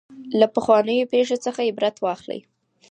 له پخوانیو پېښو څخه عبرت واخلئ.